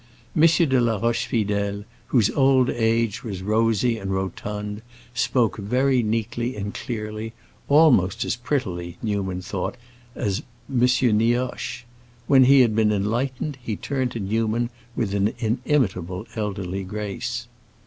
M. de la Rochefidèle, whose old age was rosy and rotund, spoke very neatly and clearly, almost as prettily, Newman thought, as M. Nioche. When he had been enlightened, he turned to Newman with an inimitable elderly grace.